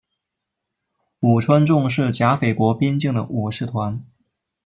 武川众是甲斐国边境的武士团。